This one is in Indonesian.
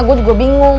gue juga bingung